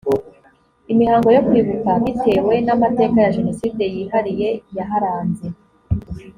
imihango yo kwibuka bitewe n amateka ya jenoside yihariye yaharanze